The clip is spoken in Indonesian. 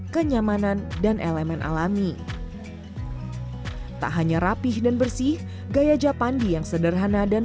kenyamanan dan elemen alami tak hanya rapih dan bersih gaya japandi yang sederhana dan